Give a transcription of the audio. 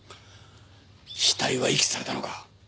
死体は遺棄されたのか。